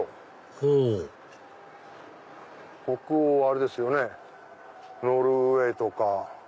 ほう北欧はあれですよねノルウェーとか。